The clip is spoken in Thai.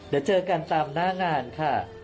เดี๋ยวเจอกันตามหน้างานค่ะ